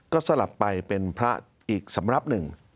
ก็สลับไปเป็นพระอีกสำรับหนึ่ง